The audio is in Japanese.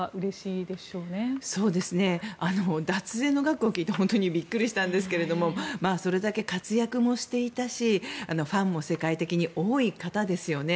脱税の額を聞いて本当にびっくりしたんですがそれだけ活躍もしていたしファンも世界的に多い方ですよね